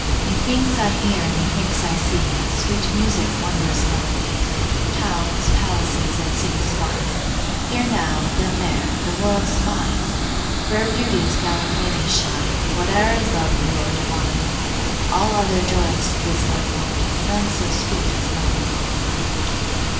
Methinks I hear, methinks I see, Sweet music, wondrous melody, Towns, palaces, and cities fine; Here now, then there; the world is mine, Rare beauties, gallant ladies shine, Whate'er is lovely or divine. All other joys to this are folly, None so sweet as melancholy.